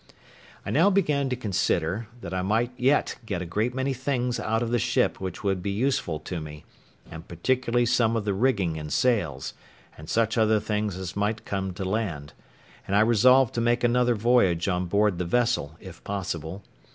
I now began to consider that I might yet get a great many things out of the ship which would be useful to me, and particularly some of the rigging and sails, and such other things as might come to land; and I resolved to make another voyage on board the vessel, if possible.